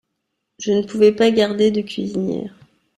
Je ne pouvais pas garder de cuisinières.